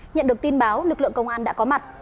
nhận được tin báo lực lượng công an đã có mặt